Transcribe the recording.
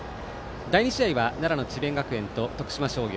第２試合は奈良の智弁学園と徳島商業。